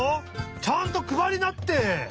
ちゃんとくばりなって！